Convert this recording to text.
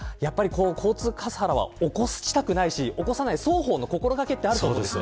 交通カスハラは起こしたくないし起こさない双方の心掛けがあると思います。